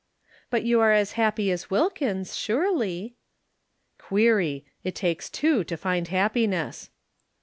"But you are as happy as Wilkins, surely." "Query. It takes two to find happiness."